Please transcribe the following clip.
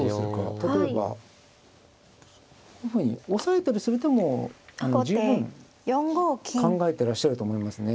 例えばこういうふうに押さえたりする手も十分考えてらっしゃると思いますね。